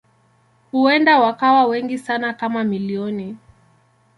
Huenda wakawa wengi sana kama milioni.